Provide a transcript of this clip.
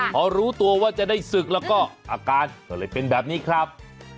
พอรู้ตัวว่าจะได้ศึกแล้วก็อาการก็เลยเป็นแบบนี้ครับ